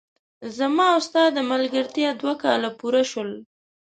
زما او ستا د ملګرتیا دوه کاله پوره شول!